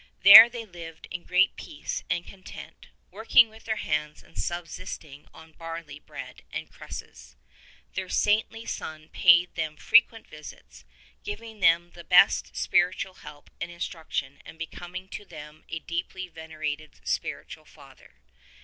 There they lived in great peace and content, working with their hands and subsisting on barley bread and cresses. Their saintly son paid them frequent visits, giving them the best of spiritual help and instruction and becoming to them a deeply venerated spiritual father.